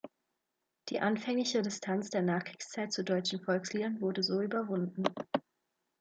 Die anfängliche Distanz der Nachkriegszeit zu deutschen Volksliedern wurde so überwunden.